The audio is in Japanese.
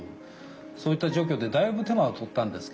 そういった除去でだいぶ手間は取ったんですけどね